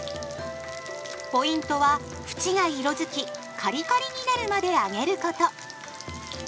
ポイントは縁が色づきカリカリになるまで揚げること！